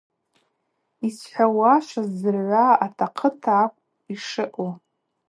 Йсхӏвауа шваздзыргӏвра атахъыта акӏвпӏ йшаъу.